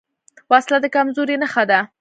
وسله د کمزورۍ نښه ده